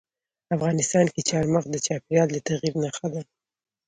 افغانستان کې چار مغز د چاپېریال د تغیر نښه ده.